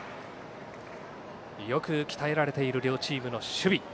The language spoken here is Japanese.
よく鍛えられている両チームの守備。